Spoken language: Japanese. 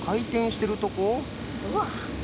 うわっ。